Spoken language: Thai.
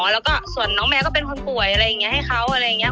แล้วก็ส่วนน้องแมวก็เป็นคนป่วยอะไรอย่างนี้ให้เขาอะไรอย่างนี้